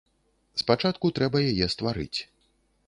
Спачатку трэба яе стварыць.